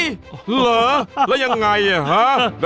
เหรอแล้วยังไงอ่ะฮะ